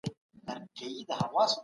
افغان شاګردان د کار کولو مساوي حق نه لري.